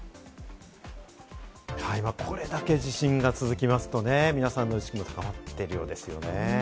これだけ地震が続きますとね、皆さんの意識、高まってるようですよね。